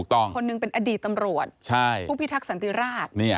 คนหนึ่งเป็นอดีตตำรวจผู้พิทักษันติราช